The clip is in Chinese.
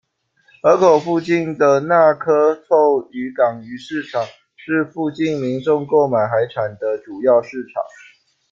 河口附近的那珂凑渔港鱼市场是附近民众购买海产的主要市场。